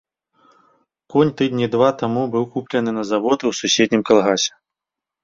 Конь тыдні два таму быў куплены на завод у суседнім калгасе.